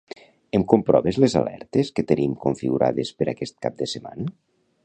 Em comproves les alertes que tenim configurades per aquest cap de setmana?